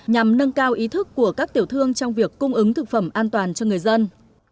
nhằm nâng cao ý thức của các tiểu thương trong việc cung ứng thực phẩm an toàn cho người dân